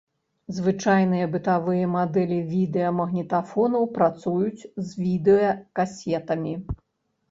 Звычайныя бытавыя мадэлі відэамагнітафонаў працуюць з відэакасетамі.